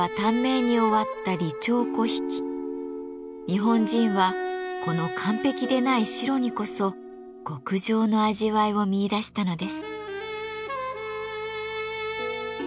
日本人はこの完璧でない白にこそ極上の味わいを見いだしたのです。